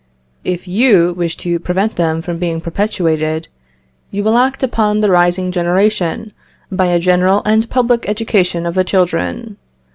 If you wish to prevent them from being perpetuated, you will act upon the rising generation by a general and public education of the children.